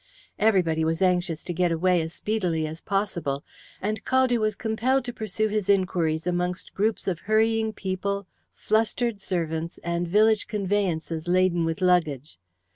Everybody was anxious to get away as speedily as possible, and Caldew was compelled to pursue his inquiries amongst groups of hurrying people, flustered servants, and village conveyances laden with luggage.